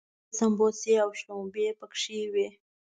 ښې سمبوسې او شلومبې پکې وي.